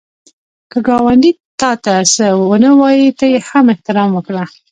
که ګاونډی تا ته څه ونه وايي، ته یې هم احترام وکړه